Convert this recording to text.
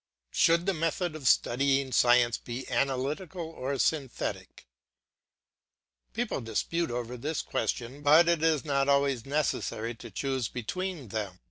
Should the method of studying science be analytic or synthetic? People dispute over this question, but it is not always necessary to choose between them.